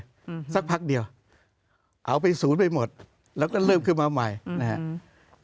อืมสักพักเดียวเอาไปศูนย์ไปหมดแล้วก็เริ่มขึ้นมาใหม่อืมนะฮะอืม